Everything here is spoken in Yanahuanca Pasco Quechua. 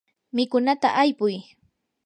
mikunata aypuy.